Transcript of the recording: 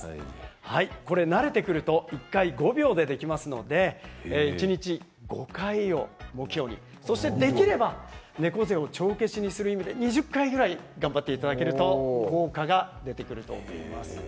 これ、慣れてくると１回５秒でできますので一日５回を目標にそしてできれば猫背を帳消しにする意味で２０回ぐらい頑張っていただけると効果が出てくると思います。